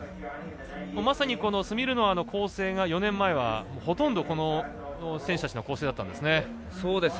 まさにスミルノワの構成が４年前はほとんど、選手たちの構成だったんですね。